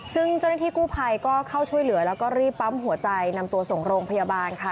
ซึ่งเจ้าหน้าที่กู้ภัยก็เข้าช่วยเหลือแล้วก็รีบปั๊มหัวใจนำตัวส่งโรงพยาบาลค่ะ